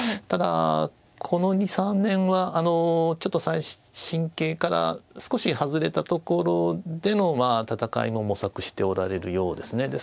ただこの２３年はちょっと最新形から少し外れたところでの戦いも模索しておられるようですね。